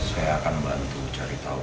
saya akan bantu cari tahu